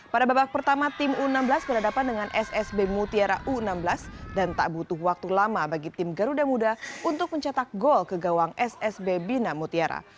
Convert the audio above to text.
pada babak pertama tim u enam belas berhadapan dengan ssb mutiara u enam belas dan tak butuh waktu lama bagi tim garuda muda untuk mencetak gol ke gawang ssb bina mutiara